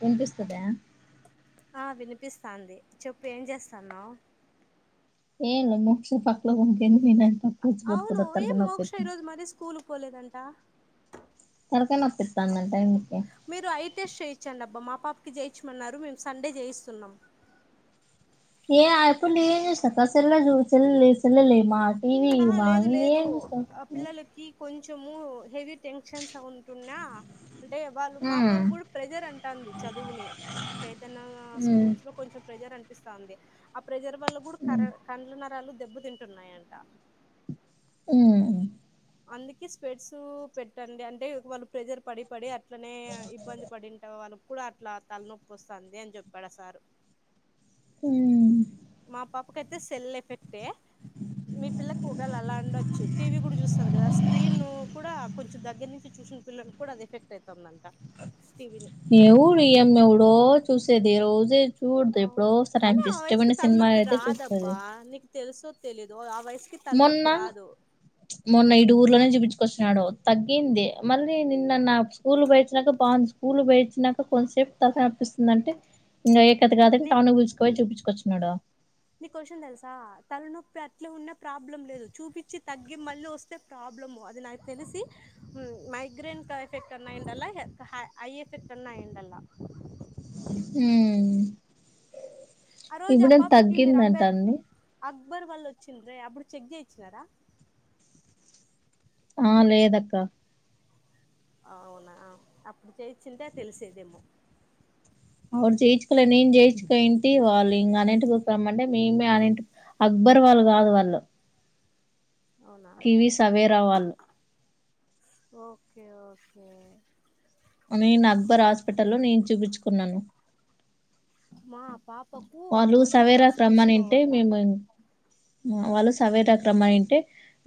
విన్పిస్తుందా ఆ విన్పిస్తాంది చెప్పు ఏం చేస్తానావ్ ఏల్ మోక్షి పక్ల లో ఉంటేనే తినండి అవ్ను ఏం మోక్ష ఈరోజు మరీ స్కూల్ పోలేదంట తలకాయ నొప్పి వస్తుందంట ఆయనకి మీరు ఐ టెస్ట్ చేయించండబ్బా మా పాపకి చేయించమన్నారు మేము సండే చేయిస్తున్నాం ఏ అరుపులు నేనే చేశాను అక్క సరేలే సరేలే సరేలే మా ఆ లేదు లేదు ఆ పిల్లల్కి కొంచము హెవీ టెన్షన్స్ అవి ఉంటున్నా అంటే వాళ్ళు మా పాప ఉమ్ కూడా ప్రెజర్ అంటాంది చదువుని చైతన్య ఉమ్ స్కూల్స్లో కొంచెం ప్రెజరనిపిస్తుంది ఆ ప్రెజర్ వల్ల కూడా కర కండ్ల నరాలు దెబ్బతింటున్నాయంట ఆహ్ అందుకే స్పెట్సు పెట్టండి అంటే వాళ్ళు ప్రెజర్ పడి పడి అట్లనే ఇబ్బంది పడిన్ట వాళ్ళకి కూడా అట్లా తలనొప్పోస్తాంది అని చెప్పాడు సారూ హు మా పాపకైతే సెల్ ఎఫెక్టే మీ పిల్లకి ఉగాల అలా ఉండొచ్చు టీవీ కూడా చూస్తది కదా స్క్రీనూ కూడా కొంచెం దగ్గర నుంచి చూసిన పిల్లలకు కూడా అది ఎఫెక్టయుతుందంట టీవీని ఏవుడియనెవుడో చూసేది రోజే చూడదు ఎప్పుడో అవ్ను ఒకసారి కానీ ఆమెకి ఆ ఇష్టమైన వయ్సుకు సినిమా తలనొప్పి అయితే చూస్తది రాదబ్బా నీకు తెలుసో తెలీదో ఆ వయసుకి మొన్న తలనొప్పి రాదు మొన్న ఇడు ఊర్లోనే చూపించుకొచ్చినడు తగ్గింది మళ్ళీ నిన్న నా స్కూల్ కు బోయచ్చినాంక బాగుంది స్కూల్ బోయచ్చినాక కొంతసేపు తలకాయ నొప్పాస్తుందంటే ఇంగ అయ్యేకథ గదని టౌను కూల్చికి పోయి చూపుకొచిన్నాడు నీకో విషం తెలుసా తలనొప్పి అట్లా ఉన్న ప్రాబ్లం లేదు చూపిచ్చి తగ్గి మళ్ళీ వస్తే ప్రాబ్లము అది నాకు తెలిసి మైగ్రేన్ క ఎఫెక్ట్ అన్నా అయుండాలా లే హై ఐ ఎఫెక్ట్ అన్నా అయుండాలా ఉమ్ ఆ రోజు ఆ ఇప్పుడేం పాపకి మీరు అంబేద్ తగ్గిందంటంది అక్బర్ వాళ్ళు వచ్చింద్రే అప్పుడు చెక్ జేయిచ్చినారా ఆ లేదక్క అవునా అప్పుడు చేయిచ్చింటే తెలిసేదేమో అపుడు చేయించుకోలే నేను చేయించుక ఇంటి వాళ్ళు ఇంకా అనేటు మంటే మేమే అన్నింటి అక్బర్ వాళ్ళు గాదు వాళ్ళు అవునా కివిస్ అవేరావాళ్ళ ఓకే ఓకే నేను అక్బర్ హాస్పిటల్లో లో నేను చూపించుకున్నాను మా పాపకు ఆ వాళ్ళు రోజు డ్రస్ సవేరాకి రమ్మనింటే తీసుకోవాల మేము వాళ్ళు సర్వే డాక్టరమ్మ అయ్యుంటే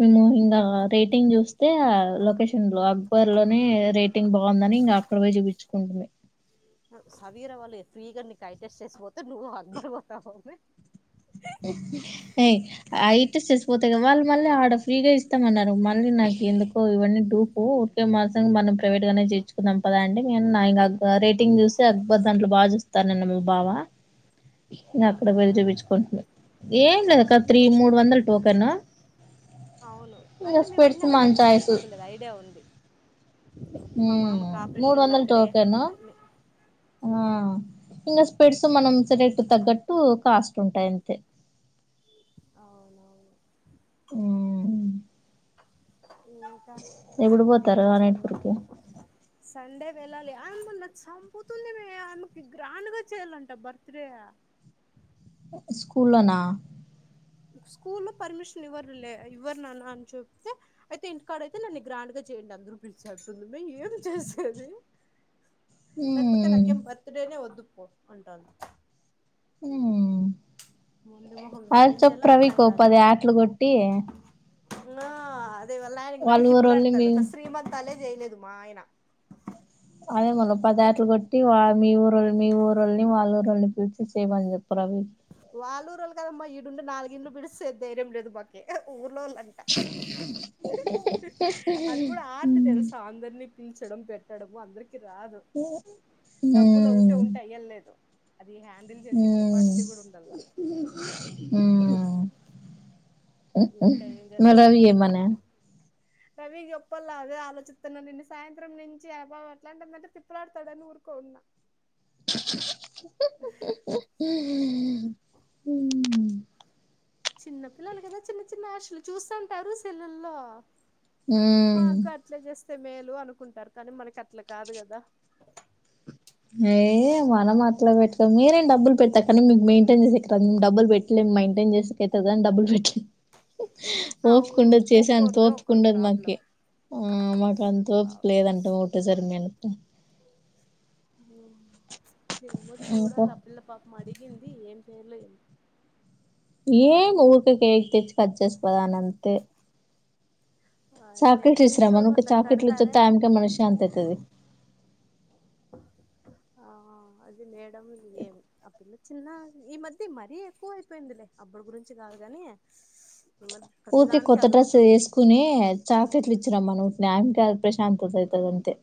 మేము ఇంగ అ రేటింగ్ జుస్తే ఆ లొకేషన్ లో అక్బర్ లోనే రేటింగ్ బాగుందని ఇంగ అక్కడ పోయి చూపించు కుంటుంది సవీర వాళ్ళే ఫ్రీగా నీకు ఐ టెస్ట్ చేసి పోతే నువు అక్బర్ పోతావావె ఏయ్ ఐ టెస్ట్ చేస్కాపోతేనెమో వాళ్ళు మళ్ళీ ఆడ ఫ్రీగా ఇస్తామన్నారు మళ్ళీ నాకు ఎందుకో ఇవన్నీ డూపు మాత్రం మనం ప్రైవేట్గా చేయిచుకుందం పద అండి విన్నా ఇంకా రేటింగ్ జస్తే అక్బర్ దాంట్లో బా జుస్తారనన్నరు మా బావ ఇగ అక్కడ వెళ్ళి అవునా చూపించుకుంటున్నా ఏం లేదు హా ఒక నీ త్రీ మూడు క్వశ్చన్ వందలు టోకెను అవును ఇంగ అంటే మేం అన్నీ స్పెట్స్ మన అక్కడేళ్ళి చాయిస్ చూపించుకుంటది ఐడియా ఉంది మా మ్మ్ మామకు మూడు ఆపరేషన్లు వందలు అక్కడే టోకెను అన్ని ఆ అహ ఇంగ స్పెడ్స్ మనం సెలెక్ట్ తగ్గట్టు కాస్ట్ ఉంటయండి అవునవును ఉమ్ ఇంకా ఎప్పుడు ఏం పోతారు ఆయనా చేస్తన్నావ్ దగ్గరికి సండే వెళ్ళాలి ఆమె నాకు సంపుతుంది మేడం ఆమెకి గ్రాండ్ గా చెయ్యాలంట బర్త్డే స్కూల్లోనా స్కూల్లో పర్మిషన్ ఇవ్వరులే ఇవ్వరు ననా అని చేప్తే అయితే ఇంటికాడ అయితే నన్ను గ్రాండ్ గా చేయండి అందరు పిలిచి అంటుంది మే ఏంది చేసేది లేకపోతే ఉమ్ నాకేం బర్త్ డేనే వద్దుపో అంటంది ఉమ్ మొండి మొహంది అది ఏం చప్పు చేయాలో రవి అర్థం కాలే కోపది ఆట్లు గోట్టి ఆ అదే వల్ల ఆయనకి వాళ్ళ నన్ను ఊరోళ్ళని మీ తిప్పులాడతాడు నా శ్రీమంతాలే చేయలేదు మా ఆయన అదే మల్ల పదేటలు గోట్టి వా మీ ఊరోళ్లు మీ ఊరోళ్ళని వాళ్ళ ఊరోల్లోని పిలిచి ఇచ్చేయమని జెప్పు రవి వాళ్ళ ఊరోళ్లు కదమ్మా ఈడుండి నాలుగు ఇండ్లు పిడిస్తే ధైర్యం లేదు మాకి ఊర్లోలు అది గుడా ఆర్ట్ తెల్స్ అందరినీ పిల్చడం పెట్టడము అందరికి రాదు డబ్బులు ఉమ్ ఒకటే ఉం టై అయ్యలేదు అది హ్యాండిల్ జేసే ఉమ్ కెపాసి ఉమ్ ఇంకా ఏం మరాది చేస్తాన్నావ్ ఏమన రవికి జెప్పల్ల అదే ఆలోచిత్తన్నా నిన్న సాయంత్రం నించి యాబా అట్లాంటుందంటే తిప్పలాడతాదాని ఊరుకో ఉన్నా ఉమ్ చిన్న పిల్లలు కదా చిన్న చిన్న ఎశలు చూస్తా ఉంటారు సెల్లుల్లో మా ఉమ్ క అట్లా జేస్తే మేలు అనుకుంటారు కానీ మనకి అట్లా కాదు కదా ఏఏ మనం అట్లా పెటం మీరేం డబ్బులు పెట్టకండి మీకు మెయింటైన్సే ఇతం డబ్బులు పెట్టా ఇ మయింటైన్స్కతది అని డబ్బులు పెట్టే అవును ఓపుకుండదు చేసే అంత ఒక్కోరిదే ఒక్కోరు ఓపుకుండదు ప్రాబ్లం మకి ఊమ్ మాకు అంత ఓపిక అవు లేదంటా ఒకేసారి మెన్ ఉ ఏమో ఇంకా చూడాలి ఆ పిల్ల పాపం అడిగింది ఏం చేయలో ఏమో ఏం ఊర్కే కేక్ తెచ్చి కాజ్ చేస్తదని అంతే అదే చాక్లెట్ ఇస్ర అమ ను మీషోలో అట్లా చాకెట్లు కడతారే ఇచ్చాతే ఆమికే మన శాంతి అయితది ఆ హ అది మేడం ఉంది ఏమి ఆ పిల్ల చిన్న ఈ మధ్య మరీ ఎక్కువ అయిపోయిందిలే అప్పుడు గురించి కాదుగాని మరి పూర్తిక్ కొత్త డ్రస్ వేస్కునీ చాఫెట్లు ఇచ్చిరమ్మను స్నాంకా ప్రశాంతత అయితే అంతే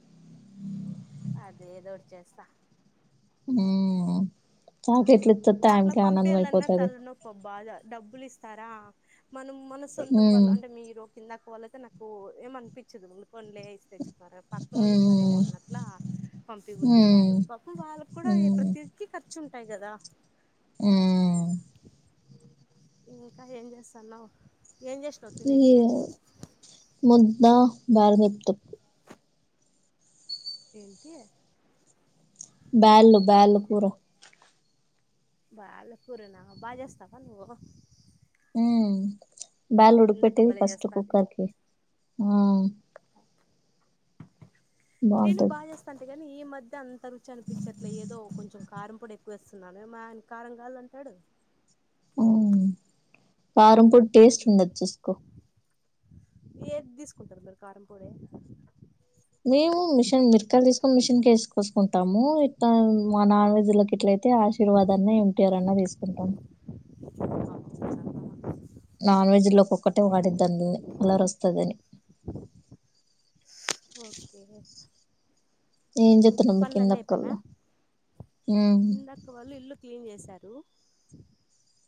అది ఏదో ఒటి చేస్తా ఉమ్ తక్లేట్లు ఇతే థాంకు అని అను అయిపోతది బో బాధ డబ్బులు ఇస్తారా మనం మన సొంతం వళ్ళు మ్మ్ అంటే మీరు ఇందాక వాళ్ళతే నాకు ఏమనిపించదు ముందుకోళ్లే ఇస్తేఇచ్చుకో పక్కనళ్ళిస్తారేమో ఉమ్, అన్నట్లా పంపియ బుద్ది ఉమ్, కాదు పక్కన వాళ్ళక్ కూడా ఉమ్, ప్రతి కి ఖర్చుంటై గదా ఉమ్ ఇంకా ఎన్ జెసన్నావ్ ఏం జెస్ ఈ ముద్ద బార్ గుప్తా ఏంటి బ్యాళు బ్యాళ్ళు కూర బ్యాళ్ళు కూర నా బా జెస్తవా నువో ఉమ్ బ్యాళ్లు ఉడుక్ కిందక్క పెట్టేది బలే ఫస్ట్ చేస్తాది కుక్కర్కి ఉమ్ నేను బాగుంటది బా జేస్తంటి గానీ ఈ మధ్య అం త రుచి అనిపించిట్లే ఏదో కొంచెం కారం పొడి ఎక్కువేసున్నాను మా ఆయన కారం గల్లా అంటాడు ఉమ్ కారంపొడి ఏద్ ధిస్ కుంటారూ మీరు కారంపొడి మేము మిషన్ మీర్క్ కాయలు తీస్కొని మిషన్ ఎసుకు పోస్కుంటాము ఇత మా నాన్ వెజ్ లోకి ఇట్లయితే ఆశీర్వాదన్న ఎన్టీఆర్ అన్న దిస్కుంటాము నాన్ వెజ్లోకి ఒకొక్కటే దని కలర్ వస్తదని ఓకే ఏం ఉ ఇంకా చెప్తున్నాం మీ కింద పనులన్నీ అయిపొయిన అక్కల్లో కిందకి ఇంకా వాళ్ళు ఇల్లు క్లీన్ చేశారు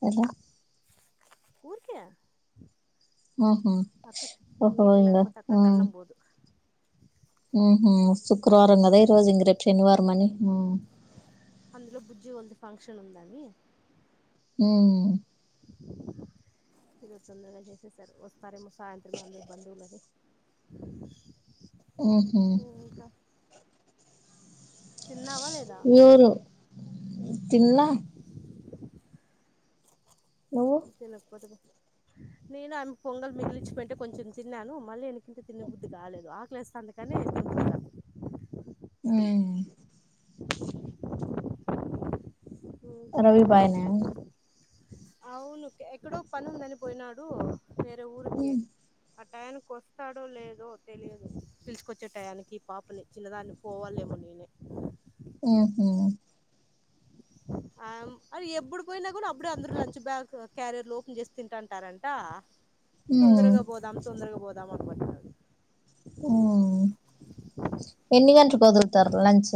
ఎలా ఊరికే ఉహు అక్కకి ఇప్పుడు ఓహో నీట్గా ఇంగా లేకపోతే ఉ అక్కకి అన్నం పోదు ఉహు శుక్రవారం కదా ఈ రోజు ఇంగ రేపు శనివారం అని ఉ అందులో బుజ్జివాల్ది ఫంక్షన్ ఉందని ఉమ్ ఈ రోజు తొందరగా చేసేసారు వస్తారేమొ సాయంత్రమే అందరు బందువులని ఉహు ఇంకా తిన్నావా లేదా ఎవరు తినలే నువ్వు తినకపోతే పో నేను ఆమె పొంగల్ మిగిలించి పోయింటే కొంచెం తిన్నాను మళ్ళీ వెనకింట తిన్న బుద్ధి కాలేదు ఆకలేస్త అంత కానీ తింటిన ఉ ఇంకా రవి బాయనా అవును ఎక్కడో పని ఉందని పోయినాడు వేరే ఊరికి ఆ టయానికి వస్తాడో లేదో తెలియదు పిలుచకొచ్చే టయానికి పాపని చిన్న దాన్ని పోవల్ల ఏమో నేనే ఉహు ఆ అది ఎప్పుడు పోయినా కూడా అప్పుడే అందరు లంచ్ బ్యాగ్ క్యారియర్లు ఓపెన్ చేసి తింటంటరంట ఉమ్ తొందరగా బోదాం తొందరగా బోదాం అనీ పట్టింది ఉ ఎన్ని గంటలకి వదులుతారు లంచ్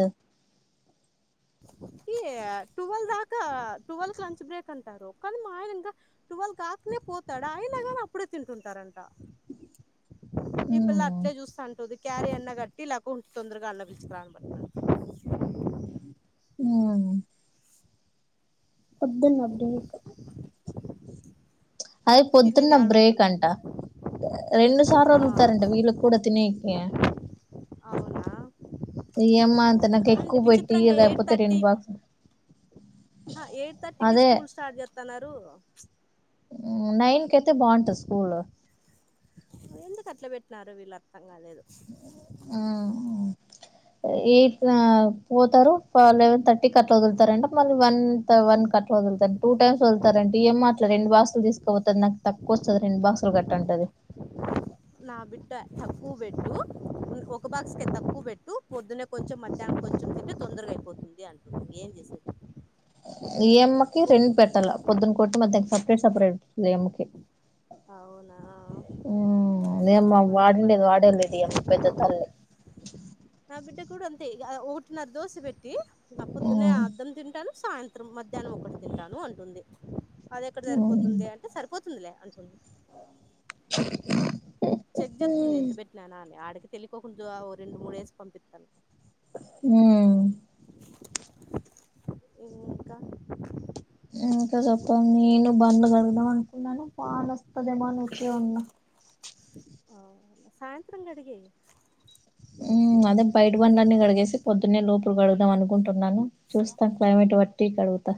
ఈ టువల్ దాకా టువల్ కి లంచ్ బ్రేక్ అంటారు కానీ మా ఆయన ఇంకా టువల్ కాక్ నే పోతాడా అయిగాని అప్పుడే తింటుంటారంట ఈ పిల్ల ఉమ్ అట్లే చూస్తా ఉంటది క్యారీ అన్న కట్టి లేకుంటే తొందరగా అన్న పిలుచుకురా పట్టినాడు ఉ పొద్దున వద్దు మీకు అయి ఆమెకి తినేది పొద్దున్న బ్రేక్ యాడొస్తుంది అంట రెండు సార్లు వదులుతారు అంట ఆ వీళ్ళకి కూడా తినేకి అవునా ఈయమ్మ అంత నాకు అంటే ఎక్కువ పెట్టి లేకపోతే రెండు బాక్స్ హ ఎయిట్ థర్టీ కే అదే స్కూల్ స్టార్ట్ చేస్తున్నారు చ్ నైన్ కి అయితే బాగుంటది స్కూల్ ఎందుకు అట్ల పెట్టినారు వీళ్ళు అర్థం కాలేదు ఉ ఎయిట్ పోతారు లెవెన్ థర్టీ కి అట్లా వదులుతారంటే మళ్ళీ వన్ వన్ కట్లా వదులుతారు టూ టైమ్స్ వదులుతార ఏమో అట్లా రెండు బా బాక్సులు తీసుకోపోతాది నాకు తక్కువ వస్తుంది రెండు బాక్సులు కట్టు అంటది నా బిడ్డ తక్కువ పెట్టు ఒక బాక్స్ కి తక్కువ పెట్టు పొద్దున్నే కొంచెం మధ్యాహ్నం కొంచెం తింటే తొందరగా అయిపోతుంది అంటుంది ఏం చేసేది ఈయమ్మకి రెండు పెట్టాలా పొద్దున్న కోటి మధ్యాహ్నం కి సపరేట్ సపరేట్ ఈయమ్మకి అవునా ఏమ్మ మంచి వాడిండేది పనిలే వాడేలేదు ఈ అమ్మ పెద్ద తల్లి నా బిడ్డ కూడా అంతే ఒకటిన్నరా దోసె పెట్టి మా పొద్దున్నే అర్ధం తింటాను సాయంత్రం మధ్యాహ్నం ఒకటి తింటాను అంటుంది అది ఎక్కడ సరిపోతుంది అంటే సరిపోతుందిలే అంటు [inaudible] [inaudible] చెక్ చేత్తుంది ఎంత పెట్టినానా అని ఆడికి తెలికోకుండా ఓ రెండు మూడు వేసి పంపిస్తాను హ్మ్ హ్మ్ ఇంకా ఇంకా చెప్పాలి నేను బండలు కడదాం అనుకున్నాను వాన వస్తదేమో అని ఊరికే ఉన్నా ఔనా సాయంత్రం కడిగే హ్మ్ అదే బయట బండలన్ని కడిగేసి పొద్దున్నే లోపల కడుదాం అనుకుంటున్నాను చూస్తాను క్లైమేట్ బట్టి కడుగుతా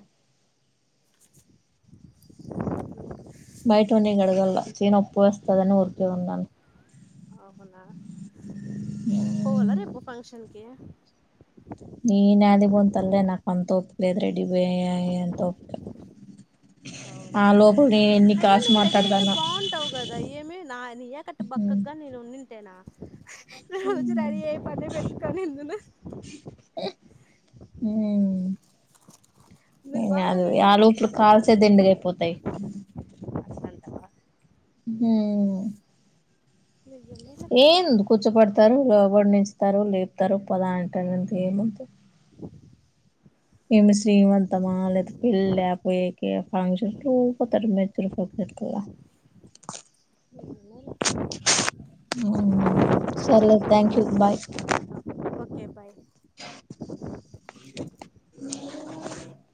[inaudible] బయట ఉన్నే కడగళ్లా చేయి నొప్పు వస్తాదని ఊరికే ఉన్నాను అవునా మ్మ్ పోవాల రేపు ఫంక్షన్ కి నేను యాడికిపోను తల్లి నాకు అంత ఓపిక రెడీ అయి అంత ఓపిక అవునా ఆ లోపు నేను ఎన్ని అయినా కాల్స్ నువ్వు రెడీ అయితే మాట్లాడతానో బాగుంటావు కదా ఏమి నా నీయకట్టా బక్కగా నేను అంతేనా రోజు రెడీ అయి పనే పెట్టుకోను నేను కూడా హ్మ్ మీరు బాగా అది రెడీ ఆ ఆలోపల అవ్వచ్చబ్బా కాల్స్ ఏ దండిగా అయిపోతాయి అట్లంటవా హ్మ్ నిజమేలే ఏంది కూర్చోపెడతారు లోబడి నుంచుతారు లేపుతారు పద అంటారు గంతే [inaudible] ఏమి శ్రీమంతమా లేదా పెళ్లా లేకా పోయేకి ఫంక్షన్ కి ఎవరు పోతారు [inaudible] ఏడా ఉన్నారో హ్మ్ సర్లే thank you bye hey bye [inaudible] [inaudible]